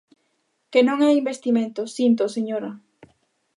Que non é investimento, síntoo, señora.